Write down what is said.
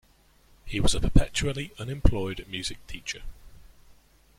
He was a perpetually unemployed music teacher.